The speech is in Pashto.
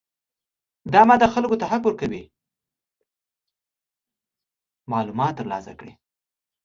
دا ماده خلکو ته حق ورکوي معلومات ترلاسه کړي.